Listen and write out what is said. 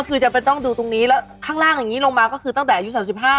ก็คือจะต้องดูตรงนี้แล้วข้างล่างอย่างนี้ลงมาก็คือตั้งแต่อายุ๓๕